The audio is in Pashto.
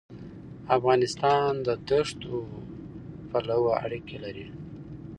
افغانستان د دښتو پلوه اړیکې لري.